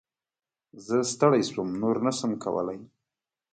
زه ستړی شوم ، نور نه شم کولی !